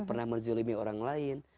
pernah menzolimi orang lain